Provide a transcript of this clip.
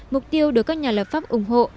mục tiêu được các nhà lập pháp ủng hộ